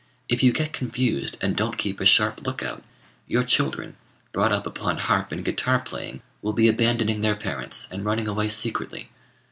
If you get confused and don't keep a sharp look out, your children, brought up upon harp and guitar playing, will be abandoning their parents, and running away secretly.